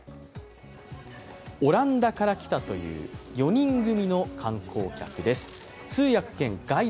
オランダから来たという４人組の観光客です